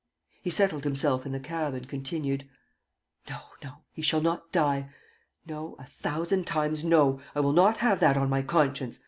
..." He settled himself in the taxi and continued: "No, no, he shall not die! No, a thousand times no, I will not have that on my conscience!